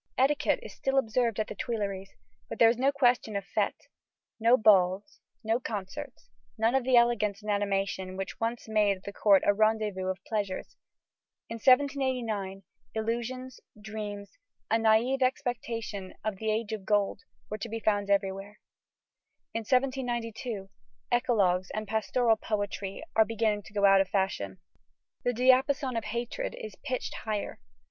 Etiquette is still observed at the Tuileries, but there is no question of fêtes; no balls, no concerts, none of that elegance and animation which once made the court a rendezvous of pleasures. In 1789, illusions, dreams, a naïve expectation of the age of gold, were to be found everywhere. In 1792, eclogues and pastoral poetry are beginning to go out of fashion. The diapason of hatred is pitched higher.